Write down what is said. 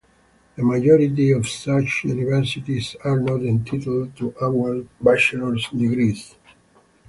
The majority of such universities are not entitled to award bachelor's degrees.